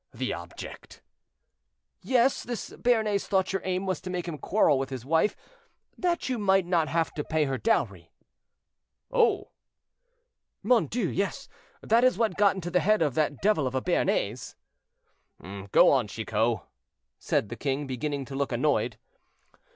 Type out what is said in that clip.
the object—" "Yes, this Béarnais thought your aim was to make him quarrel with his wife, that you might not have to pay her dowry." "Oh!" "Mon Dieu, yes; that is what got into the head of that devil of a Béarnais." "Go on, Chicot," said the king, beginning to look annoyed.